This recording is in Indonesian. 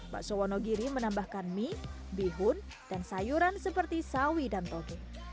bakso wonogiri menambahkan mie bihun dan sayuran seperti sawi dan toge